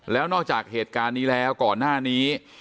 แล้วนอกจากเหตุการณ์นี้แล้วก่อนหน้านี้